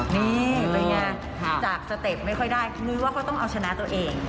นี่เป็นไงจากสเต็ปไม่ค่อยได้นุ้ยว่าเขาต้องเอาชนะตัวเอง